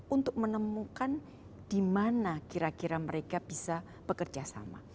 untuk menemukan di mana kira kira mereka bisa bekerja sama